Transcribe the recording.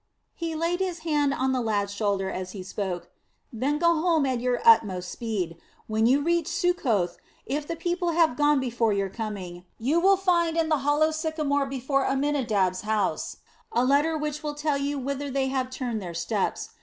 he laid his hand on the lad's shoulder as he spoke "then go home at your utmost speed. When you reach Succoth, if the people have gone before your coming, you will find in the hollow sycamore before Amminadab's house a letter which will tell you whither they have turned their steps.